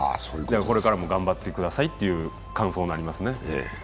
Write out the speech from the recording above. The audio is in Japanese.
これからも頑張ってくださいという感想になりますね。